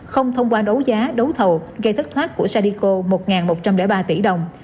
không thông qua đấu giá đấu thầu gây thất thoát của sadico một một trăm linh ba tỷ đồng